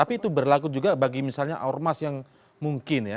tapi itu berlaku juga bagi misalnya ormas yang mungkin ya